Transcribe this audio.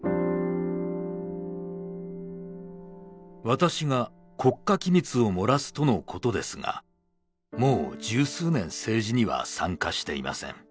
「私が国家機密を漏らすとのことですがもう十数年政治には参加していません」